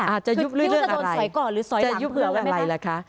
คิดว่าจะโดนสอยก่อนหรือสอยหลังเพื่อไหมคะ